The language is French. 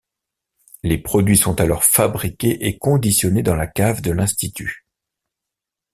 Les produits sont alors fabriqués et conditionnés dans la cave de l'institut.